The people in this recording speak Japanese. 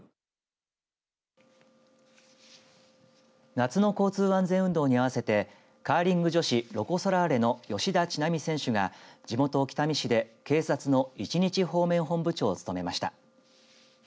夏の交通安全運動に合わせてカーリング女子ロコ・ソラーレの吉田知那美選手が地元北見市で警察の一日方面本部長を務めました。